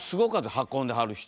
運んではる人。